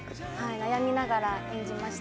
悩みながら演じました。